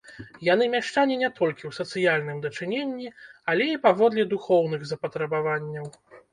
Яны мяшчане не толькі ў сацыяльным дачыненні, але і паводле духоўных запатрабаванняў.